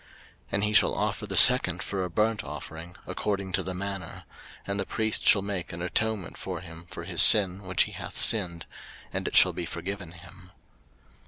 03:005:010 And he shall offer the second for a burnt offering, according to the manner: and the priest shall make an atonement for him for his sin which he hath sinned, and it shall be forgiven him.